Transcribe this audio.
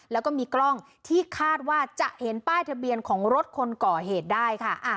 แล้วก็มีกล้องที่คาดว่าจะเห็นป้ายทะเบียนของรถคนก่อเหตุได้ค่ะ